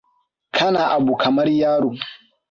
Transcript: Kana abu kamar yaro.